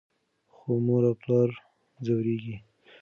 خو مور او پلار ځورېږي.